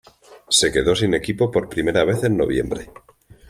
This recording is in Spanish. Se quedó sin equipo por primera vez en noviembre.